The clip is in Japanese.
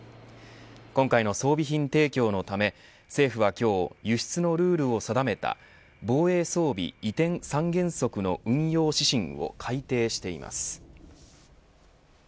今回の装備品提供のため政府は今日輸出のルールを定めた防衛装備移転三原則の運用指針を改定しています。